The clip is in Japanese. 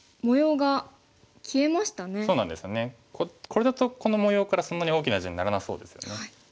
これだとこの模様からそんなに大きな地にならなそうですよね。